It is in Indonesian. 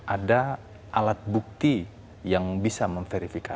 ada alat bukti yang bisa memverifikasi